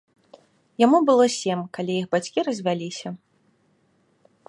Яму было сем, калі іх бацькі развяліся.